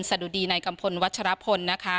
สะดุดีนายกัมพลวัชฌาพล